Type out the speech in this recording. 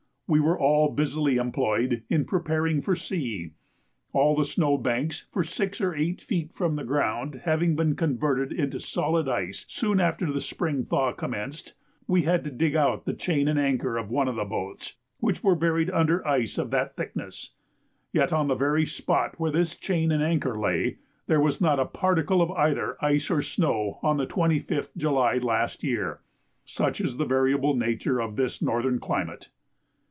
We were all busily employed in preparing for sea. All the snow banks for six or eight feet from the ground having been converted into solid ice soon after the spring thaw commenced, we had to dig out the chain and anchor of one of the boats, which were buried under ice of that thickness; yet on the very spot where this chain and anchor lay, there was not a particle of either ice or snow on the 25th July last year; such is the variable nature of this northern climate.